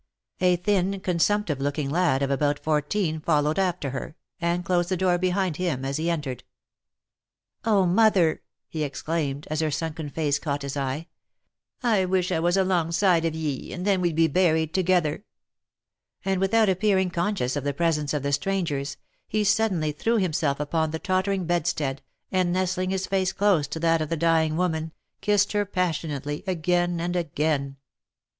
A thin consumptive looking lad of about fourteen, followed after her, and closed the door behind him as he entered. " Oh ! mother !" he exclaimed as her sunken face caught his eye, " I wish I was alongside of ye, and then we'd be buried together I" And without pppearing conscious of the presence of the strangers, he suddenly threw himself upon the tottering bedstead, and nestling his face close to that of the dying woman, kissed her passionately again and again.